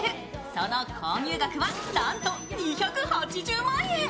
その購入額はなんと２８０万円。